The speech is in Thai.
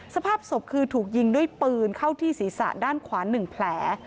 สภาพศพคือถูกยิงด้วยปืนเข้าที่ศีรษะด้านขวา๑แผล